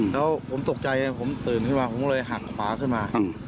แล้วผมตกใจผมตื่นขึ้นมาผมก็เลยหักขวาขึ้นมา